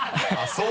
そう？